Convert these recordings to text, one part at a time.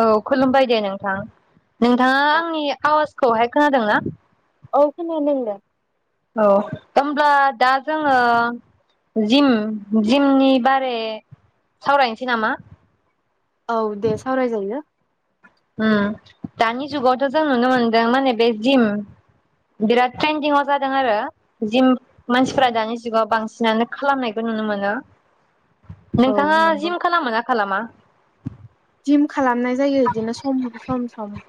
औ खुलुमबाय दे नोंथां। नोंथाङा औ आंनि आवाजखौहाय खोनादों ना? औ खोनादों दे। औ होमब्ला दा जोङो जिम जिमनि बारै सावरायनोसै नामा? औ दे सावरायजायो। उम दानि जुगावथ' जों नुनो मोनदों माने बे जिम बिराद ट्रेन्दिंव जादों आरो जिम मानसिफोरा दानि जुगाव बांसिनानो खालामनायखौ नुनो मोनो। औ नोंथाङा नंगौ जिम खालामोना खालामा? जिम खालामनाय जायो इदिनो सम सम सम।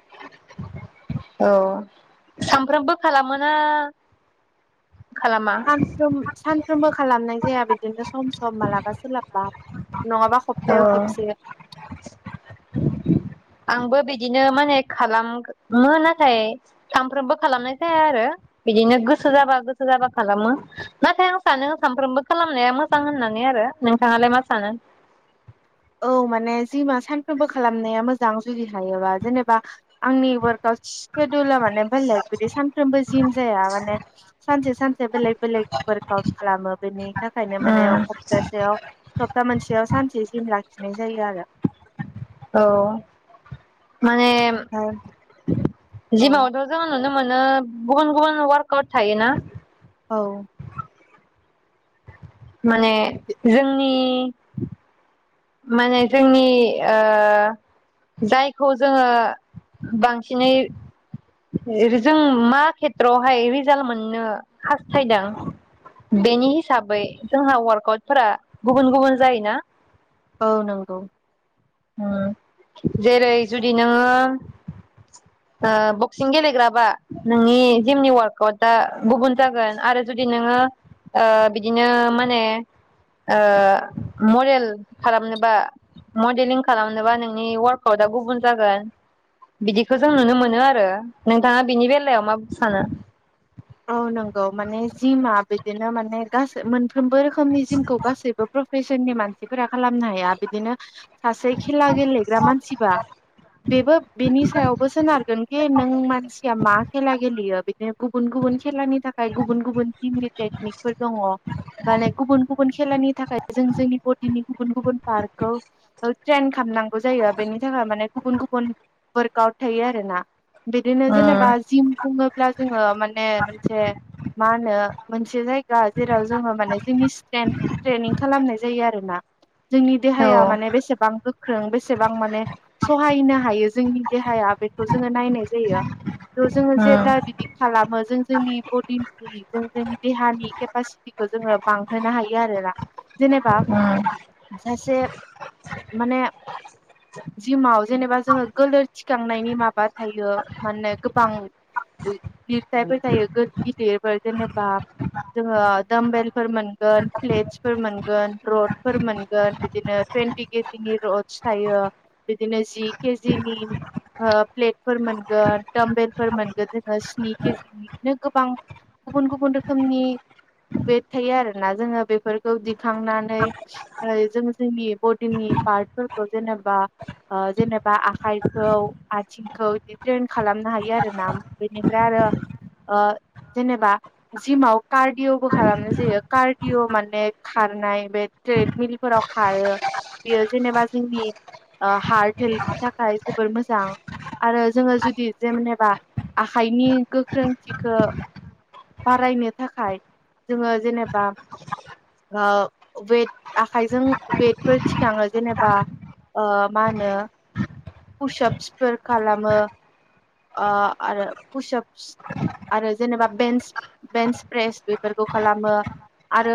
औ सानफ्रोमबो खालामोना? खालामा सानफ्रोम सानफ्रोमबो खालामनाय जाया बिदिनो सम सम मालाबा सोलाबबा। नङाबा खप्तायाव औ खेबसे। आंबो बिदिनो माने खालाम -मो नाथाय सानफ्रोमबो खालामनाय जाया आरो बिदिनो गोसो जाबा गोसो जाबा खालामो नाथाय आं सानो सानफ्रोमबो खालामनाया मोजां होननानै आरो नोंथाङालाय मा सानो? औ माने जिमा सानफ्रोमबो खालामनाया मोज जां जुदि हायोबा जेनेबा आंनि वार्क -आउट सिडुला माने बेलेक बिदि सानफ्रोमबो जिम जाया माने सानसे सानसे बेलेक बेलेक वार्क -आउट खालामो बेनि थाखायनो माने खप्तासेयाव सप्ता मोनसेयाव सानसे जिम लाखि जिनाय जायो आरो औ माने ओमफ्राय औ जिमावथ' जोंहो नुनो मोनो गुबुन गुबुन वार्क आउट थायोना, औ माने जोंनि माने जोंनि ओ जायखौ जोङो बांसिनै जों मा खेथ्रआवहाय रिजाल्ट मोननो हास्थायदों बेनि हिसाबै जोंहा वार्क -आउटफोरा गुबुन गुबुन जायोना? औ नंगौ उम जेरै जुदि नोङो ओ बक्सिं गेलेग्राबा नोंनि जिमनि वार्क - आउटा गुबुन जागोन आरो जुदि नोङो ओ बिदिनो माने ओ मडेल खालामनोबा मडेलिं खालामनोबा नोंनि वार्कआउटआ गुबुन जागोन बिदिखौ जों नुनो मोनो आरो नोंथाङा बिनि बेलायाव माब सानो? औ नंगौ माने जिमा बिदिनो माने गासो मोन फ्रोमबो रोखोमनि जिमखौ गासैबो प्र फेसननि मानसिफोरा खालामनो हाया बिदिनो सासे खेला गेलेग्रा मानसिबा बेबो बेनि सायावबो सोनारगोनखि नों मानसिया मा खेला गेलेयो बिदि गुबुन गुबुन खेलानि थाखाय गुबुन गुबुन टिमनि टेकनिकफोर दङ माने गुबुन गुबुन खेलानि थाखाय जों जोंनि बडिनि गुबुन गुबुन पार्कखौ ओ ट्रेन खालामनां जायो बेनि थाखाय माने गुबुन गुबुन वर्कआउट थायोया आरो ना बिदिनो जेनेबा उम जिम खुङोब्ला जोङो माने ए मोनसे मा होनो मोनसे जाय जा जेराव जोङो माने जोंनि स्ट्रेन ट्रेनिं खालामनाय जायो आरो ना जोंनि औ देहाया माने बेसेबां गोख्रों बेसेबां माने सहायनो हायो जोंनि देहाया बेखौ जोङो नायनाय जायो थ' जोङो उम जेब्ला बिदि खालामो जोंनि बडिनि जों जोंनि देहा नि केपासिटिखो जोङो बांहोनो हायो आरोना जेनेबा उम सासे माने जिउआव जेनेबा जोङो गोलोर दिखांनायनि माबा थायो मानो गोबां [unintelligible] फिथाइफोर थायो गो गिदिरफोर जेनेबा जोङो दामबेलफोर मोनगोन प्लेटफोर मोनगोन प्रदफोर मोनगोन बिदिनो थुयेनटि केजि र'स थायो बिदिनो जि केजिनि ओ प्लेटफोर मोनगोन थ'मबेफोर मोनगोन जोङो स्नि, केजि नि बिदिनो गोबां गुबुन गुबुन रोखोमनि वेट थायो आरो ना जोङो बेफोरखौ दिखांनानै ओ जों जोंनि बडिनि पार्टफोरखौ जेनेबा ओ जेनेबा आखाइखौ आथिंखौ बिदि ट्रेन खालामनो हायो आरो ना बेनिफ्राय आरो ओ जेनेबा जिमाव कारडिअ खालामनायबो जायो कारडिअ माने खारनाय बे प्लेट मिरि फोराव खारो बियो जेनेबा जोंनि ओ हार्ड [unintelligible] थाखाय जोबोद मोजां आरो जोङो जुदि जेनेबा आखाइनि गो ख्रोंथिखो बारायनो थाखाय जोङो जेनेबा ओ वेट आखाइजों वेटफोर थिखाङो जेनेबा ओ मा होनो पुसप्सफोर खालामो आ ओ आरो पुसप्स आरो जेनेबा बेन्स बेन्स सप्रेस बेफोरखौ खालामो आरो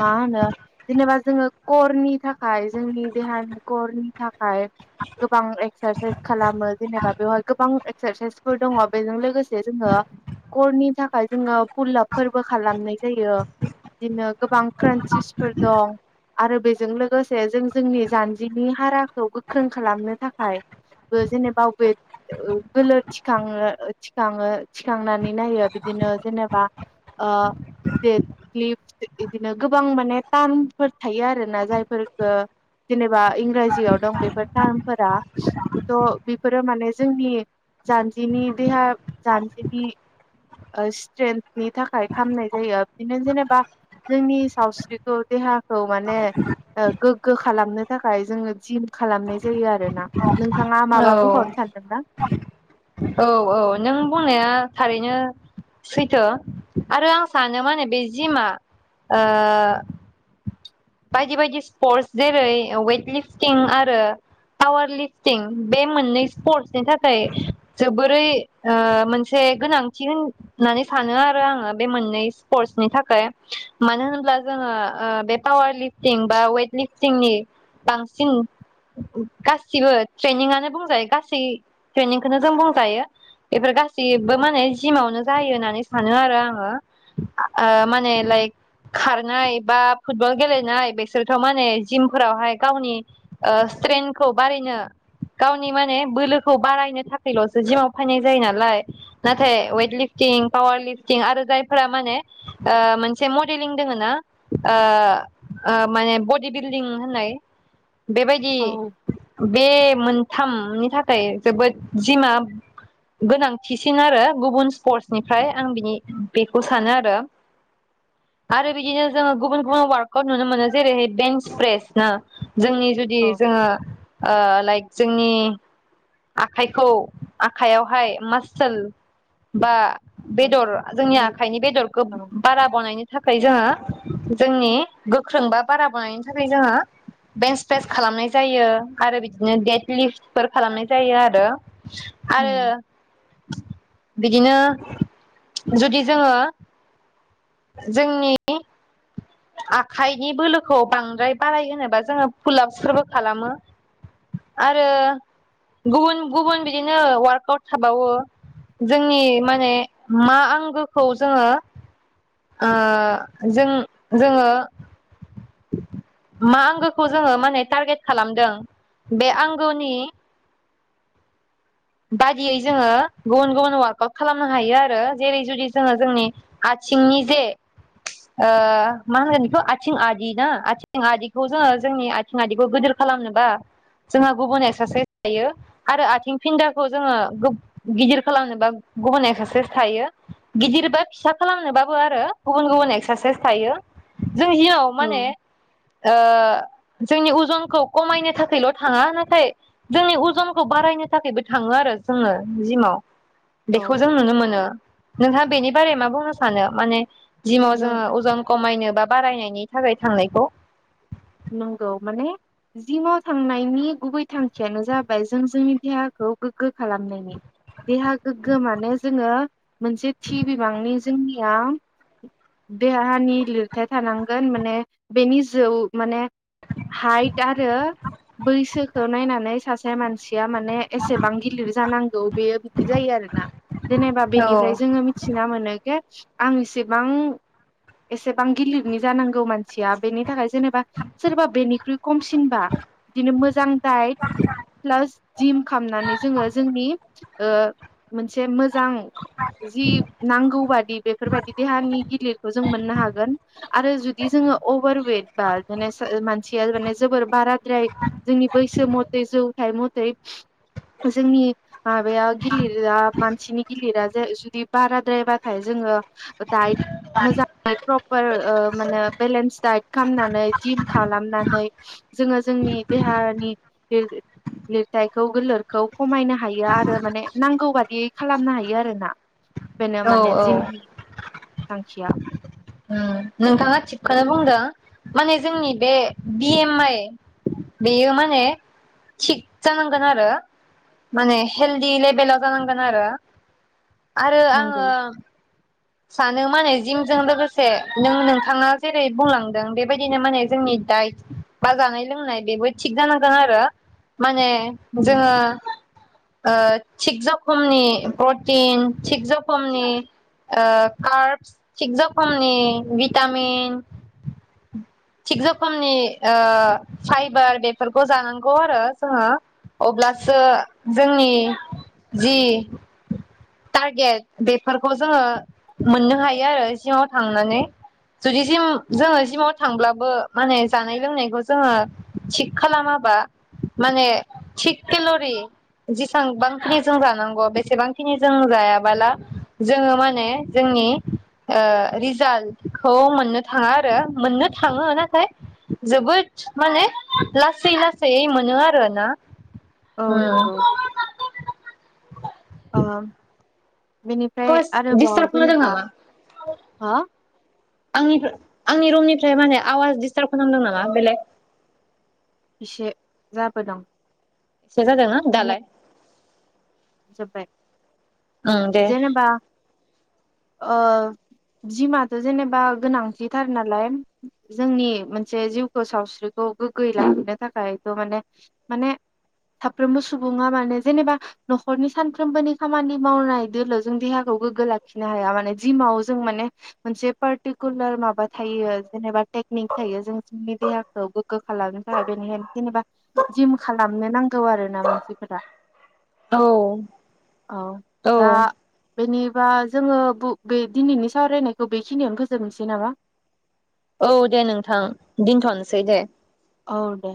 मा होनो जेनेबा जोङो क'रनि थाखाय जोंनि देहानि क'रनि थाखाय गोबां एक्सारसाइस खालामो जेनेबा बेवहाय गोबां एक्सारसाइसफोर दङ बेजों लोगोसे जोङो क'रनि थाखाय जोङो, पुलआबफोरबो खालामनाय जायो बिदिनो गोबां क्रान्सिसफोर दं आरो बेजों लोगोसे जों जोंनि जानजिनि हाराखौ गोख्रों खालामनो थाखाय बो जेनेबा वेट ओ गोलोर थिखाङो थिखाङो थिखांनानै नायो बिदोनो जेब बा ओ [unintelligible] इदिनो गोबां माने टार्मफोर थायो आरोना जायफोरखो जेनेबा इंराजीयाव दं बेफोर टार्मफोरा हयथ' बेफोरो माने जोंनि जानजिनि देहा जानजिनि स्ट्रेन नि थाखाय खामनाय जायो बिदिनो जेनेबा जोंनि सावस्रिखौ देहाखौ माने ओ गोग्गो खालामनो थाखाय जोङो जिम खालामनाय जायो आरो ना। औ औ औ नों बुंनाया थारैनो सैथो आरो आं सानो माने बे जिमा ओ बायदि बायदि स्पर्टस जेरै वेट लिफटिं आरो पावार लिफटिं बे मोननै स्पर्टसनि थाखाय जोबोरै ओ मोनसे गोनांथि होननानै सानो आरो आङो बे मोननै स्पर्टसनि थाखाय। मानो होन्ला जोङो ओ बे पावार लिपटिं बा वेट लिपटिंनि बांसिन गासिबो ट्रेनिंआनो बुंजायो गासै ट्रेनिंखौनो जों बुंजायो बेफोर गासैऔबो माने जिमावनो जायो होननानै सानो आरो आङो आ ओ माने लाइक खारनाय बा फुटबल गेलेनाय बेसोरथ' माने जिमफोरावहाय गावनि ओ स्ट्रेंखौ बारायनो गावनि माने बोलोखौ बारायनो थाखायलसो जिमाव फायनाय जायो नालाय। नाथाय वेट लिफटिं पावार लिफटिं आरो जायफोरा माने ओ मोनसे मडेलिं दोङो ना ओ ओ माने बडि बिल्डिं होननाय बेबायदि औ बे मोन थामनि थाखाय जोबोद जिमा गोनांथिसिन आरो गुबुन स्पर्टसनिफ्राय आं बिनि बेखौ सानो आरो। आरो बिदिनो जोङो गुबुन गुबुन वार्कआवट नुनो मोनो जेरैहाय बेन्स चिप्रेस ना जोंनि जुदि औ जोङो ओ लाइक जोंनि आखाइखौ आखाइयावहाय मासोल बा औ बेदर जोंनि आखाइनि बेदरखौ बारा बनायनो थाखाय जोङो जोंनि गोख्रों बा बारा बनायनि थाखाय जोङो बेन्सप्रेस खालामनाय जायो आरो बिदिनो बेदलिपफोर खालामनाय जायो आरो। आरो बिदिनो जुदि जोङो जोंनि आखाइनि बोलोखौ बांद्राय बाराय होनोबा जोङो फुलापसफोरबो खालामो आरो गुबुन गुबुन बिदिनो वार्कआवउट थाबावो जोंनि माने मा आंगोखौ जोङो ओ जों जोङो मा आंगोखौ जोङो माने टारगेट खालामदों बे आंगोनि बादियै जोङो गुबुन गुबुन वार्कआउट खालामनो हायो आरो। जेरै जुदि जोङो जोंनि आथिंनि जे ओ मा होनगोन बेखौ आथिं आदि ना आथिं आदिखौ जोङो जोंनि आथिं आदिखौ गोदोर खालामनोबा जोंहा गुबुन एक्सारसाइस थायो आरो आथिं फिन्दाखौ जोङो गिदिर खालामनोबा गुबुन एक्सारसाइस थायो। गिदिर बा फिसा खालामनोबाबो आरो गुबुन गुबुन एक्सारसाइस थायो। जों जिमआव माने ओ जोंनि उजनखौ खमायनो थाखायल' थाङा नाथाय जोंनि उजनखौ बारायनो थाखायबो थाङो आरो जोङो जिमाव। औ बेखौ जों नुनो मोनो। नोंहा बेनि बारै मा बुंनो सानो? माने जिमाव नों जोङो अजन कमायनो बा बारायनायनि थाखाय थांनायखौ। नंगौ माने जिमाव थांनायनि गुबै थांखियानो जाबाय जों जोंनि देहाखौ गोग्गो खालामनायनि। देहा गोग्गो माने जोङो मोनसे थि बिबांनि जोंनिया देहानि लिरथाय थानांगोन माने बेनि जौ माने हाइट आरो बैसोखौ नायनानै सासे मानसि या माने एसेबां गिलिर जानांगौ बेयो बिदि जायो आरो ना। जेनेबा औ बेनिफ्राय जोङो मिथिना मोनो के आं एसेबां एसेबां गिलिरनि जानांगौ मानसिया बेनि थाखाय जेनेबा सोरबा बेनिख्रुइ खमसिनबा बिदिनो मोजां डाइट प्लास जिम खालामनानै जोङो जोंनि ओ, मोनसे मोजां जि नांगौ बादि बेफोरबायदि देहानि गिलिरखौ जों मोननो हागोन। आरो जुदि जोङो अभार वेट बा ओ मानसिया माने जोबोर बारा द्राय ओमफ्राय जोंनि बैसो मथै जौथाइ [unintelligible] जोंनि माबाया गिलिरा मानसिनि गिलिरा जुदि बाराद्रायबाथाय जोङो दाइट मोजाङै प्रपार ओ माने बेलेन्स डाइट खालामनानै जिम खालामनानै जोङो जोंनि देहानि लिर-लिरथायखौ गोलोरखौ खमायनो हायो आरो माने नांगौ बादियै खालामनो हायो आरोना। बेनो औ माने औ जिम नि थांखिया उम, नोंथाङा थिगखौनो बुंदों माने जोंनि बे बि एम आइ बेयो माने थिग जानांगोन आरो माने हेलदि लेभेलाव जानांगोन आरो। आरो नंगौ आङो सानो माने जिमजों लोगोसे नों नोंथाङा जेरै बुंलांदों बेबायदिनो माने जोंनि दाइट बा जानाय लोंनाय बेबो थिग जानांदों आरो। माने जोङो ओ थिग जखमनि प्रटिन थिग जखमनि ओ कार्बस थिक जखमनि भिटामन थिग रोखोमनि, ओ फाइबार बेफोरखौ जानांगौ आरो जोङो अब्लासो जोंनि जि टारगेट बेफोरखौ जोङो मोननो हायो आरो जिमाव थांनानै, जुदिम जोङो जिमाव थांब्लाबो माने जानाय लोंनायखौ जोङो थिग खालामाबा माने थिग केेल'रि जेसेबांखिनि जों जानांगौ बेसेबांखिनि जों जायाबाला जोङो माने जोंनि ओ रिजाल्टखौ मोननो थाङा आरो मोननो थाङो नाथाय जोबोद माने लासै लासैै मोनो आरोना। औ नंगौ अ बेनिफ्राय आरोबाव दिस्टार्ब होदों जेनेबा नामा [inaudible] हो आंनिखौ, आंनि रुमनिफ्राय माने आवाज दिडिस्टार्ब खालामदों नामा बेलेग? इसे जाबो दं एसे जादोंना दालाय? जोबबाय ओं दे [inaudible] जेनेबा ओ जिमाथ' जेनेबा गोनांथिथार नालाय जोंनि मोनसे जिउखौ सावस्रिखौ गोग्गोै लाहैनो थाखायथ' माने, माने साफ्रोमबो सुबुङा माने जेनेबा न'खरनि सानफ्रोमबोनि खामानि मावनाय दोलो जों देहाखौ गोग्गो लाखिनो हाया माने जिमाव जों माने मोनसे पार्टिकुलार माबा थायो जेनेबा टेकनिक थायो जों जोंनि देहाखौ गोग्गो खालामनो थाखाय बेनिहायनो जेनेबा जिम खालामनो नांगौ आरो ना मानसिफोरा। औ [inaudible] औ औ दा बेनि बा जोङो बु- बे दिनैनि सावरायनायखौ बेखिनियावनो फोजोबनोसै नामा? औ दे नोंथां दिनथ'नोसै दे। औ दे